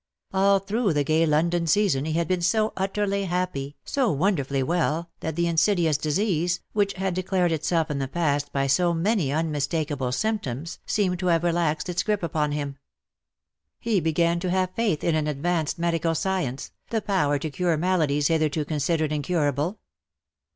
All through the gay London season he had been so utterly happy, so wonderfully well, that the insidious disease, which had declared itself in the past by so many unmistakable symptoms, seemed to have relaxed its grip upon him. He began to have faith in an advanced medical science — the power to cure maladies hitherto considered incurable.